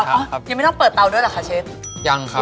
ยังไม่ต้องเปิดเตาด้วยเหรอคะเชฟยังครับ